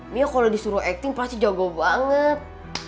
mia kalau disuruh acting pasti jago banget